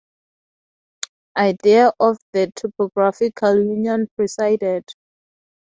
Adair of the Typographical Union presided.